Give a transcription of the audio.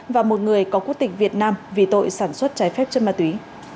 và một người có quốc tịch việt nam vì tội sản xuất trái phép chất ma túy